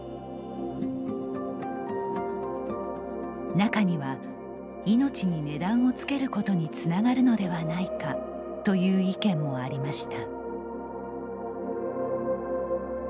中には、いのちに値段をつけることにつながるのではないかという意見もありました。